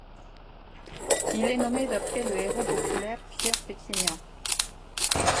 Il est nommé d'après le héros populaire Pierre Péquignat.